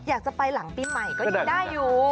อยากจะไปหลังปีใหม่ก็ยังได้อยู่